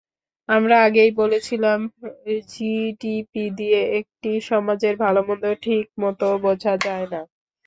আমরা আগেই বলেছিলাম, জিডিপি দিয়ে একটি সমাজের ভালোমন্দ ঠিকমতো বোঝা যায় না।